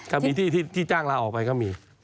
ถ้ามีที่จ้างลาออกไปก็มี